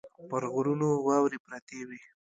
پر غرونو واورې پرتې وې.